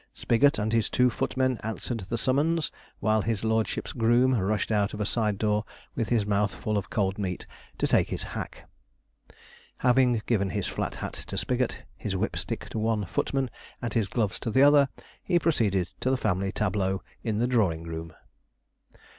Spigot and his two footmen answered the summons, while his lordship's groom rushed out of a side door, with his mouth full of cold meat, to take his hack. Having given his flat hat to Spigot, his whip stick to one footman, and his gloves to the other, he proceeded to the family tableau in the drawing room.